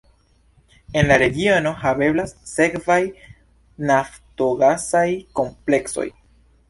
En la regiono haveblas sekvaj naftogasaj kompleksoj.